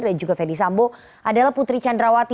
dan juga fedy sambo adalah putri candrawati